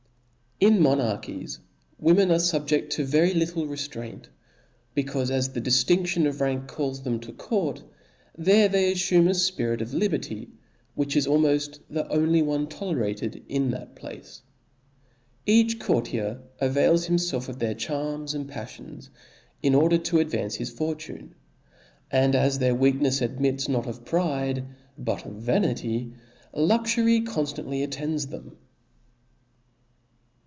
rT N monarchies women, are fubjedl to very little ■*• reftraint, becaufe as the diftin<5Hon of ranks •:calls them to court, there they aflumic a fpirit of 8 liberty. O F L A W $. 149 Kberty, which is almoft the only one tolerated in Book* that place. Each courtier avails himfelf of their chap.'9, charms and paflions, in order to ad^^ance his for tune : and as their weaknefs admits not of pride, but of vanity, luxury conftantly attends them.